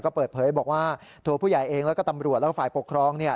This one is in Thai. ก็เปิดเผยบอกว่าตัวผู้ใหญ่เองแล้วก็ตำรวจแล้วก็ฝ่ายปกครองเนี่ย